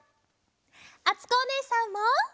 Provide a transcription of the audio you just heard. あつこおねえさんも！